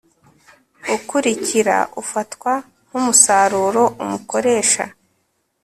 ukurikira ufatwa nk umusaruro umukoresha